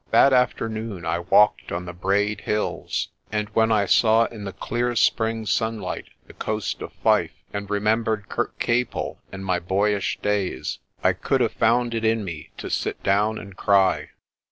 That afternoon I walked on the Braid Hills, and when I saw in the clear spring sunlight the coast of Fife, and remembered Kirkcaple and my boyish days, I could have found it in me to sit down and cry.